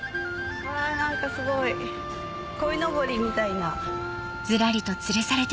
何かすごいこいのぼりみたいな。